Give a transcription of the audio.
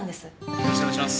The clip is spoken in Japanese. よろしくお願いします。